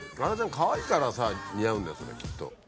かわいいからさ似合うんだよそれきっと。